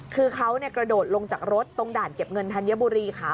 คือเขากระโดดลงจากรถตรงด่านเก็บเงินธัญบุรีค่ะ